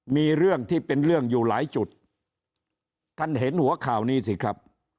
มีเรื่องที่เป็นเรื่องอยู่หลายจุดท่านเห็นหัวข่าวนี้สิครับ